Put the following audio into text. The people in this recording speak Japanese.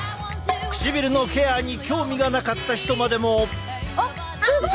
唇のケアに興味がなかった人までも。